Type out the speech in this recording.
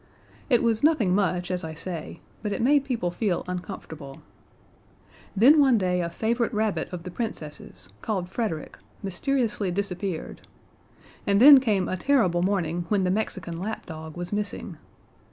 It was nothing much, as I say, but it made people feel uncomfortable. Then one day a favorite rabbit of the Princess's, called Frederick, mysteriously disappeared, and then came a terrible morning when the Mexican lapdog was missing.